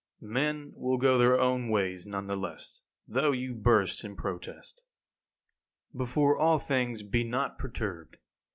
4. Men will go their ways none the less, though you burst in protest. 5. Before all things, be not perturbed.